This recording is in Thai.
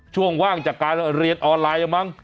ช่วงว่างจากการเรียนออนไลน์มั้ง